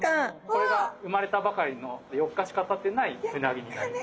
これが生まれたばかりの４日しかたってないうなぎになります。